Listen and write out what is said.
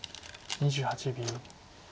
２８秒。